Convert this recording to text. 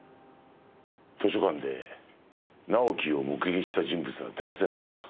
図書館で直樹を目撃した人物が出ませんでした。